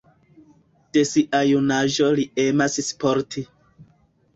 De sia junaĝo li emas sporti.